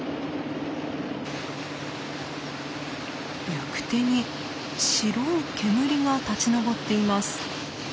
行く手に白い煙が立ち上っています。